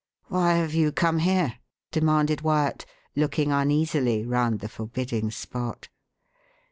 "Why have you come here?" demanded Wyat, looking uneasily round the forbidding spot.